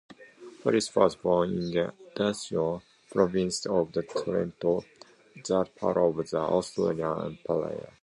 Prati was born in Dasindo, province of Trento, then part of the Austrian Empire.